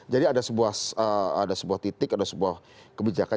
jadi ada sebuah titik ada sebuah kebijakan